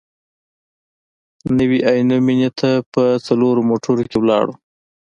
نوي عینو مېنې ته په څلورو موټرونو کې ولاړو.